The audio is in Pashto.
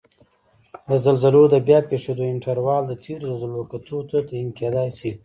د زلزلو د بیا پېښیدو انټروال د تېرو زلزلو کتو ته تعین کېدای شي